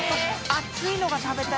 熱いのが食べたい。